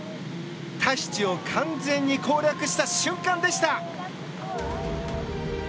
タヒチを完全に攻略した瞬間でした。